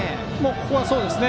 ここはそうですね。